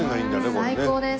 最高です。